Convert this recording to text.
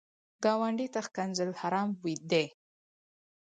ګاونډي ته ښکنځل حرام دي